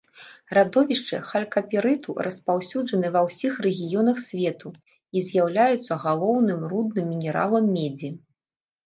Радовішчы халькапірыту распаўсюджаны ва ўсіх рэгіёнах свету і з'яўляюцца галоўным рудным мінералам медзі.